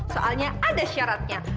soalnya ada syaratnya